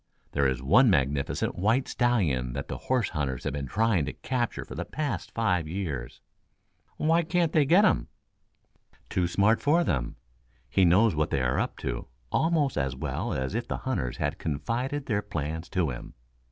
There is one magnificent white stallion that the horse hunters have been trying to capture for the past five years." "Why can't they get him?" "Too smart for them. He knows what they are up to almost as well as if the hunters had confided their plans to him.